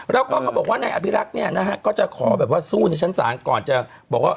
แล้วก็เขาบอกว่านายอภิรักษ์เนี่ยนะฮะก็จะขอแบบว่าสู้ในชั้นศาลก่อนจะบอกว่า